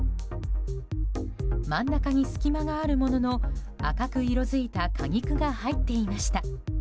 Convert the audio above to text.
真ん中に隙間があるものの赤く色づいた果肉が入っていました。